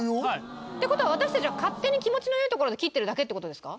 ってことは私たちは勝手に気持ちのよいところで切ってるだけってことですか？